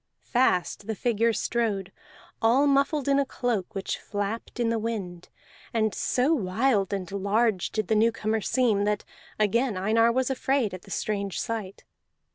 Fast the figure strode, all muffled in a cloak which flapped in the wind; and so wild and large did the newcomer seem that again Einar was afraid at the strange sight.